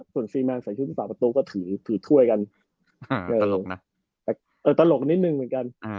ส่วนซีแมนใส่ชูตัวประตูก็ถือถือถ้วยกันน่ะแต่เออตลกนิดหนึ่งเหมือนกัน